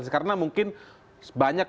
karena mungkin banyak